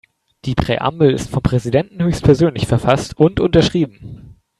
Die Präambel ist vom Präsidenten höchstpersönlich verfasst und unterschrieben.